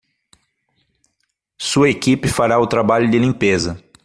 Sua equipe fará o trabalho de limpeza.